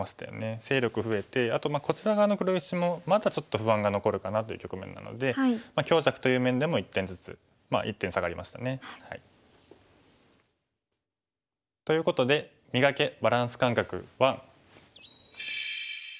勢力増えてあとこちら側の黒石もまだちょっと不安が残るかなという局面なので強弱という面でも１点ずつ１点下がりましたね。ということで「磨け！バランス感覚１」。